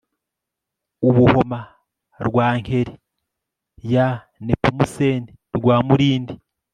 UbuhomaRwankeri Y Nepomuseni Rwamurindi